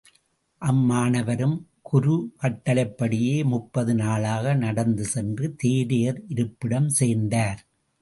அம் மாணவரும் குரு கட்டளைப்படியே முப்பது நாளாக நடந்துசென்று தேரையர் இருப்பிடம் சேர்ந்தார்.